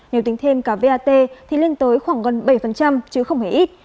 nếu tính thêm cả vat thì lên tới khoảng gần bảy chứ không hề ít